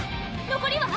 残りは？